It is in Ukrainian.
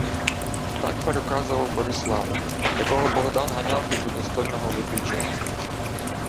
Так переказував Борислав, якого Богдан ганяв тоді до стольного Витичева.